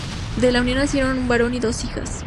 De la unión nacieron un varón y dos hijas.